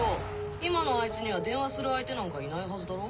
今のあいつには電話する相手なんかいないはずだろ？